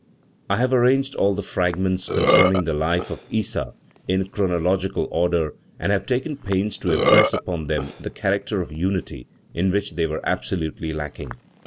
I have arranged all the fragments concerning the life of Issa in chronological order and have taken pains to impress upon them the character of unity, in which they were absolutely lacking.